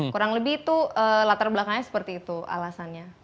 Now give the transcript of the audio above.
kurang lebih itu latar belakangnya seperti itu alasannya